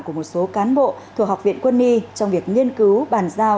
của một số cán bộ thuộc học viện quân y trong việc nghiên cứu bàn giao